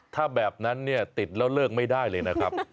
ถ้าแบบนั้นเนี่ยติดแล้วเลิกไม่ได้เลยนะครับ